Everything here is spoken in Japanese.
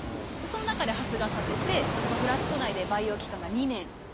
その中で発芽させてフラスコ内で培養期間が２年。